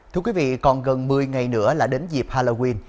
thưa quý vị còn gần một mươi ngày nữa là đến dịp halloween